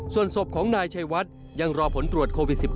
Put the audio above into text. ส่วนศพของนายชัยวัดยังรอผลตรวจโควิด๑๙